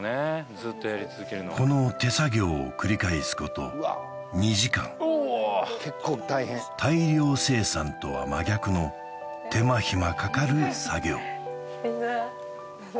ずっとやり続けるのはこの手作業を繰り返すこと２時間結構大変大量生産とは真逆の手間暇かかる作業